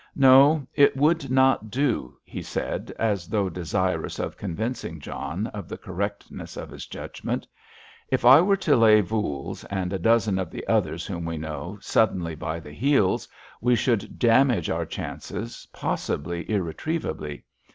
"No; it would not do," he said, as though desirous of convincing John of the correctness of his judgment "If I were to lay Voules, and a dozen of the others whom we know, suddenly by the heels, we should damage our chances, possibly irretrievably.